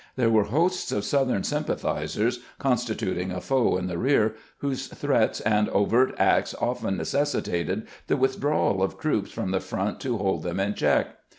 There were hosts of Southern sympathizers, lee's strategic advantage 41 constituting a foe in the rear, whose threats and overt acts often necessitated the withdrawal of troops from the front to hold them in check.